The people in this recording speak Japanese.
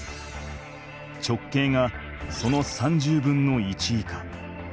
直径がその３０分の１以下。